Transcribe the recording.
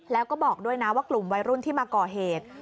แล้วก็บอกด้วยนะว่ากลุ่มวัยรุ่นที่มาก่อเหตุ